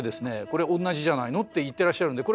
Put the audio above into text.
「これ同じじゃないの？」って言ってらっしゃるんで。